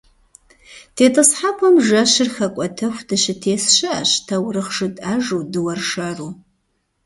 ТетӀысхьэпӀэм жэщыр хэкӀуэтэху дыщытес щыӀэщ таурыхъ жытӏэжу, дыуэршэру.